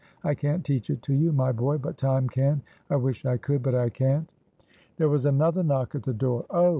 I can't teach it to you, my boy, but Time can: I wish I could, but I can't." There was another knock at the door. "Oh!"